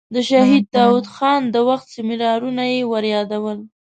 د شهید داود خان د وخت سیمینارونه یې وریادول.